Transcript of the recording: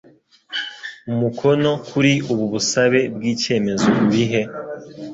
umukono kuri ubu busabe bw’icyemezo urihe?